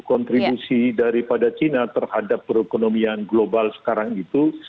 kontribusi daripada cina terhadap perekonomian global sekarang itu